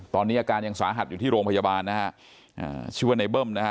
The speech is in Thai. ตอนนี้อาการยังสาหัสอยู่ที่โรงพยาบาลนะฮะอ่าชื่อว่าในเบิ้มนะฮะ